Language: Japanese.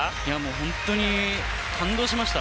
本当に感動しました。